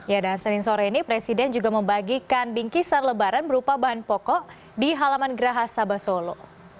ya dan senin sore ini presiden juga membagikan bingkisan lebaran berupa bahan pokok di halaman geraha sabah solo